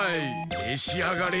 めしあがれ！